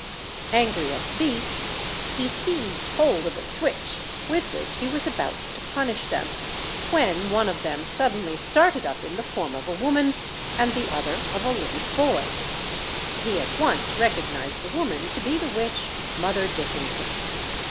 Angry at the beasts, he seized hold of a switch, with which he was about to punish them, when one of them suddenly started up in the form of a woman, and the other of a little boy. He at once recognised the woman to be the witch Mother Dickenson.